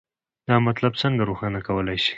دا مطلب څنګه روښانه کولی شئ؟